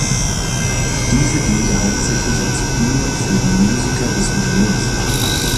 Diese diente hauptsächlich als Bühne für die Musiker des Unternehmens.